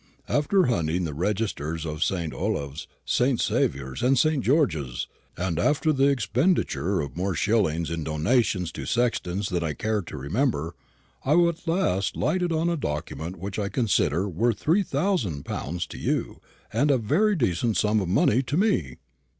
After hunting the registers of St. Olave's, St. Saviour's, and St. George's, and after the expenditure of more shillings in donations to sextons than I care to remember, I at last lighted on a document which I consider worth three thousand pounds to you and a very decent sum of money to me."